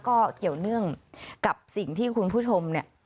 ก็เกี่ยวเนื่องกับสิ่งที่คุณผู้ชมเนี่ย